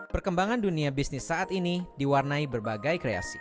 perkembangan dunia bisnis saat ini diwarnai berbagai kreasi